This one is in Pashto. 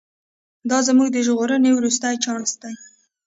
دا زموږ د ژغورنې وروستی چانس دی.